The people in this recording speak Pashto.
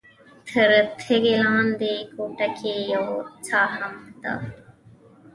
تر تیږې لاندې کوټه کې یوه څاه هم ده.